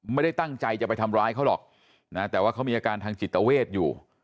ไม่ได้ตั้งใจจะไปทำร้ายเขาหรอกนะแต่ว่าเขามีอาการทางจิตเวทอยู่